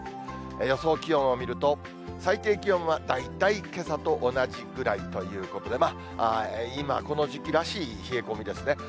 予想気温を見ると、最低気温は大体けさと同じぐらいということで、まあ、今この時期らしい冷え込みですね。